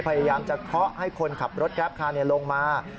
พยายามจะเคาะให้คนขับรถแกรปคาลงมา